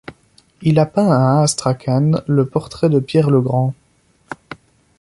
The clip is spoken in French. Il a peint à Astrakhan le portrait de Pierre le Grand.